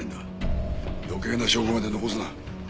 余計な証拠まで残すな。